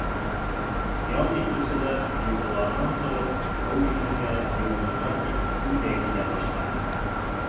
Ял итеүселәр, йоҡоларынан тороп, һыу инергә, йыуынырға тип, күлгә килә башланы.